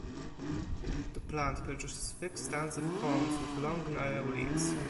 The plant produces thick stands of culms with long narrow leaves.